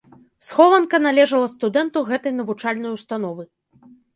Схованка належала студэнту гэтай навучальнай установы.